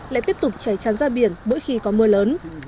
lại tiếp tục chảy chán ra biển bỗi khi có mưa lớn